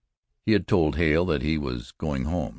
He had told Hale that he was going home.